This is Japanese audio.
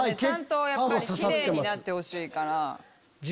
キレイになってほしいから。